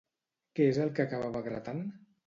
Què és el que acabava gratant?